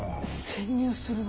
潜入するの？